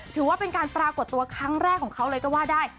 ถือว่าเป็นการปรากฏตัวครั้งแรกของเขาเลยก็ว่าได้